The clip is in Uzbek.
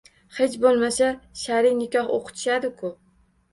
Hech bo`lmasa, sha`riy nikoh o`qitishadi-ku